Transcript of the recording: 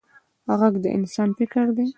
غږ د انسان فکر دی